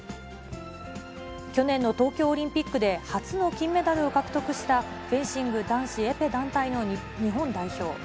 去年の東京オリンピックで初の金メダルを獲得したフェンシング男子エペ団体の日本代表。